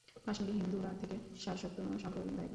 কাশ্মীরি হিন্দুরা থেকেই সারস্বত সম্প্রদায়ভুক্ত।